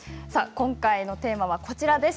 今回のテーマはこちらです。